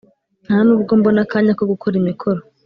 ntanubwo mbona akanya ko gukora imikoro